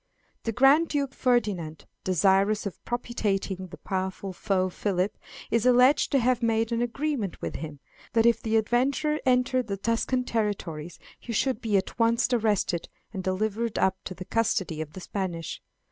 The Grand Duke Ferdinand, desirous of propitiating his powerful foe Philip, is alleged to have made an agreement with him, that if the adventurer entered the Tuscan territories he should be at once arrested and delivered up to the custody of the Spanish.